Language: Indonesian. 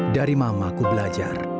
dari mama ku belajar